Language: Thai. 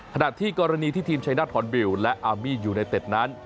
ถ้าที่กรณีที่ทีมชายนาธรรมบิลและอาร์มีย์อยู่ในเต็ดนั้น